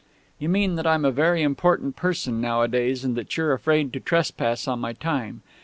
"You mean that I'm a very important person nowadays, and that you're afraid to trespass on my time.